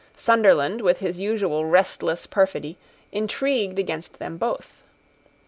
Sunderland, with his usual restless perfidy, intrigued against them both.